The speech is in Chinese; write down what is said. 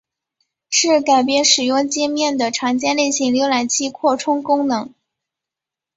是改变使用介面的常见类型浏览器扩充功能。